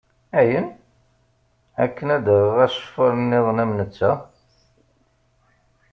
Ayen? Akken ad aɣeɣ aceffar niḍen am netta?